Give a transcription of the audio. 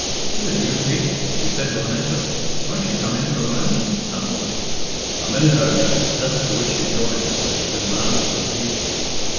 "Is it you, Pete?" she said with an effort. "Won't you come in for a moment? No?" "A minute only, then just to wish you joy, Miss Christian, ma'am," said Pete.